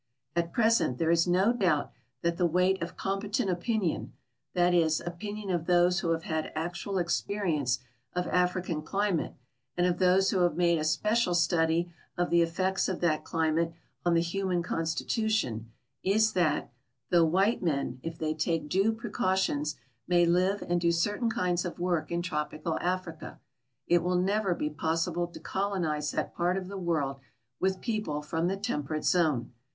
At i)res ent there is no doubt that the weight of competent opinion — that is, opinion of those who have had actual ex[)erienceof African climate and of those who have made a special study of the etlects of that climate on the human constitution — is that, though white men, if they take due precautions, may live and do certain kinds of work in tropical Africa, it will never be possible to colonize that i)art of the world with ])eople from the temperate zone.